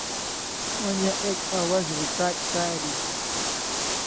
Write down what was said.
Onja ek awaz recard kari